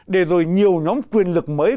để rồi nhiều nhóm quyền lực mới